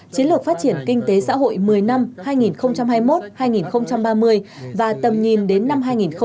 chiến lược phát triển kinh tế xã hội một mươi năm hai nghìn hai mươi một hai nghìn ba mươi và tầm nhìn đến năm hai nghìn năm mươi